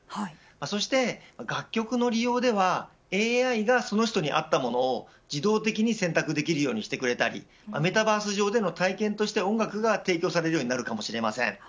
そして楽曲の利用ではＡＩがその人にあったものを自動的に選択できるようにしたりメタバース上での体験として音楽が提供されるようになるかもしれません。